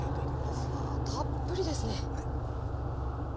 うわたっぷりですね！